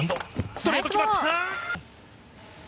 ストレート、決まった！